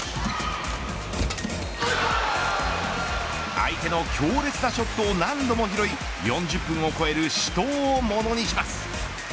相手の強烈なショットを何度も拾い４０分を超える死闘をものにします。